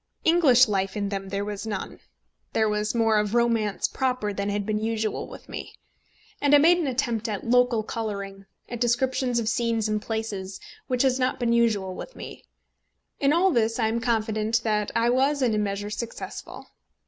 English life in them there was none. There was more of romance proper than had been usual with me. And I made an attempt at local colouring, at descriptions of scenes and places, which has not been usual with me. In all this I am confident that I was in a measure successful.